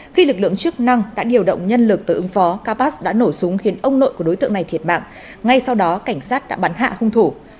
khi lực lượng chức năng đã điều động nhân lực tới ứng phó karpas đã nổ súng khiến ông nội của đối tượng này thiệt mạng ngay sau đó cảnh sát đã bắn hạ hung thủ